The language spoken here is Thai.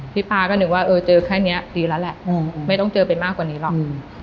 ป้าก็นึกว่าเจอแค่นี้ดีแล้วแหละไม่ต้องเจอไปมากกว่านี้หรอก